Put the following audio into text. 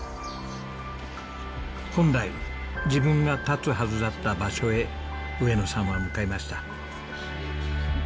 本来自分が立つはずだった場所へ上野さんは向かいました。